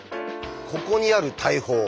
ここにある大砲。